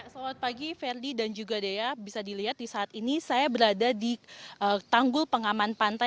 selamat pagi ferdi dan juga dea bisa dilihat di saat ini saya berada di tanggul pengaman pantai